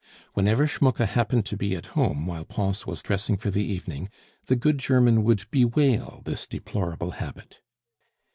Whenever Schmucke happened to be at home while Pons was dressing for the evening, the good German would bewail this deplorable habit.